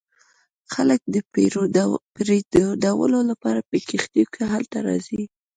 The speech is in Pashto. خلک د پیرودلو لپاره په کښتیو کې هلته راځي